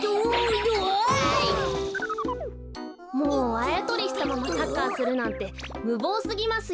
あやとりしたままサッカーするなんてむぼうすぎますよ。